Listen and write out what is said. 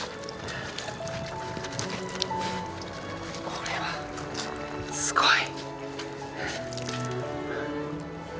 これはすごい。